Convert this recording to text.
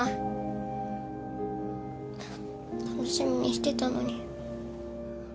楽しみにしてたのに。